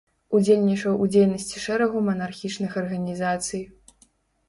Удзельнічаў у дзейнасці шэрагу манархічных арганізацый.